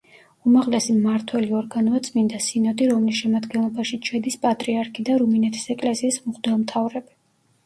უმაღლესი მმართველი ორგანოა წმინდა სინოდი, რომლის შემადგენლობაშიც შედის პატრიარქი და რუმინეთის ეკლესიის მღვდელმთავრები.